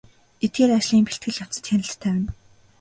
Эдгээр ажлын бэлтгэл явцад хяналт тавина.